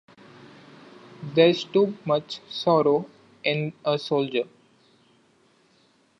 There's too much--sorrow--in a soldier.